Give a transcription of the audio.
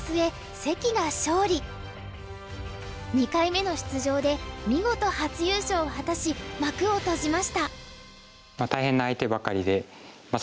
２回目の出場で見事初優勝を果たし幕を閉じました。